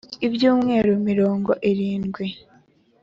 Ibyumweru mirongo irindwi